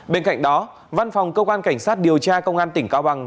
bên cạnh đó văn phòng cơ quan cảnh sát điều tra công an tỉnh cao bằng